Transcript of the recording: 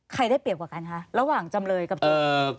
ได้เปรียบกว่ากันคะระหว่างจำเลยกับโจทย์